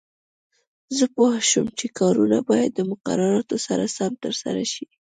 زه پوه شوم چې کارونه باید د مقرراتو سره سم ترسره شي.